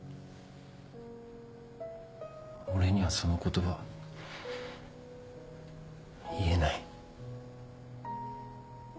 俺にはその言葉言えない。